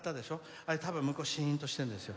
あれ、向こうはシーンとしてるんです。